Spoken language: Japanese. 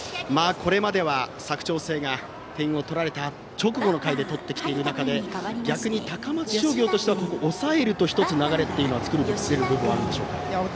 これまでは佐久長聖が点を取られた直後の回で取ってきている中で逆に、高松商業としてはここを抑えると１つ流れを作れる部分があるでしょうか。